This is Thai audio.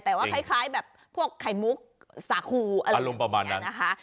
แต่ว่าคล้ายแบบพวกไข่มุกสาคูอะไรอย่างนี้นะคะ